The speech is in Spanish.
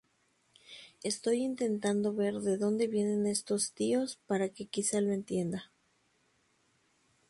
Estoy intentando ver de dónde vienen estos tíos para que quizá lo entienda.